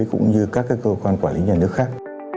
cũng như các cơ quan quản lý nhà nước khác